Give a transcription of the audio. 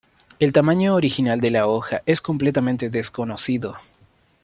El tamaño original de la hoja es completamente desconocido.